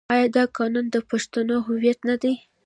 آیا دا قانون د پښتنو هویت نه دی؟